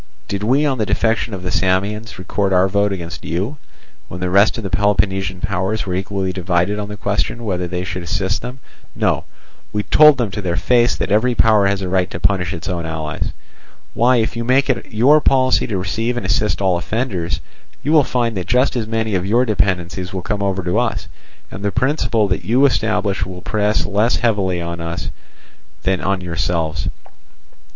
Did we on the defection of the Samians record our vote against you, when the rest of the Peloponnesian powers were equally divided on the question whether they should assist them? No, we told them to their face that every power has a right to punish its own allies. Why, if you make it your policy to receive and assist all offenders, you will find that just as many of your dependencies will come over to us, and the principle that you establish will press less heavily on us than on yourselves.